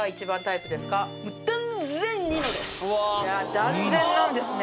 断然なんですね。